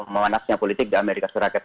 memanasnya politik di amerika serikat